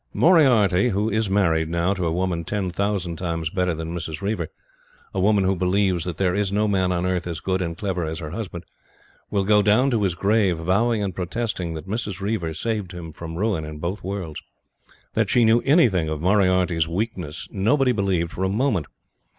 Moriarty, who is married now to a woman ten thousand times better than Mrs. Reiver a woman who believes that there is no man on earth as good and clever as her husband will go down to his grave vowing and protesting that Mrs. Reiver saved him from ruin in both worlds. That she knew anything of Moriarty's weakness nobody believed for a moment.